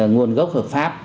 nguồn gốc hợp pháp